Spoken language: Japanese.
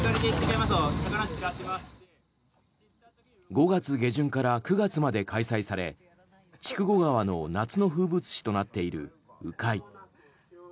５月下旬から９月まで開催され筑後川の夏の風物詩となっている鵜飼い。